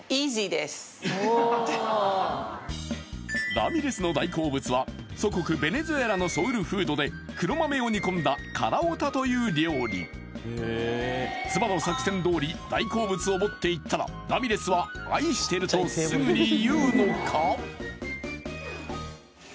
ラミレスの大好物は祖国ベネズエラのソウルフードで黒豆を煮込んだ「カラオタ」という料理妻の作戦どおり大好物を持っていったらラミレスは「愛してる」とすぐに言うのか？